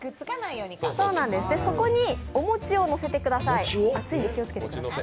そこにお餅をのせてください。